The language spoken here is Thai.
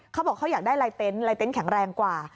เขาบอกเขาอยากได้ไลน์เต็นท์แข็งแรงกว่า